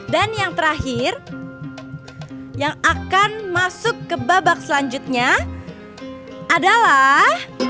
yang terakhir yang akan masuk ke babak selanjutnya adalah